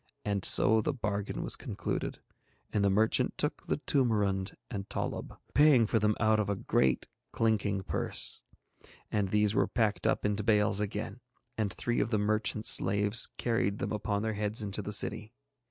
And so the bargain was concluded, and the merchant took the toomarund and tollub, paying for them out of a great clinking purse. And these were packed up into bales again, and three of the merchant's slaves carried them upon their heads into the city.